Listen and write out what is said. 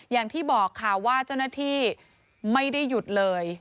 อย่างที่บอกค่ะว่าเจ้าหน้าที่ไม่ได้หยุดเลย